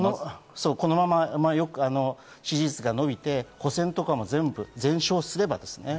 このまま支持率が伸びて、補選とかも全勝すればね。